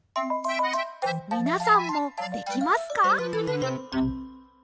みなさんもできますか？